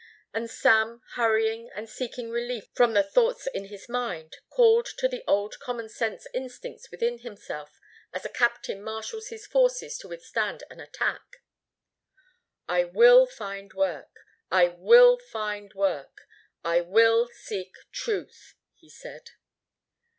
And Sam, hurrying and seeking relief from the thoughts in his mind, called to the old commonsense instincts within himself as a captain marshals his forces to withstand an attack. "I will find work. I will find work. I will seek Truth," he said.